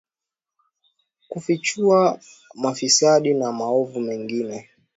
kufichua mafisadi na maovu mengine